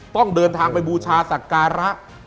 ต้องเดินทางไปบูชาศักระ